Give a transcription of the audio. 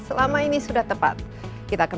selama ini sudah tepat kita akan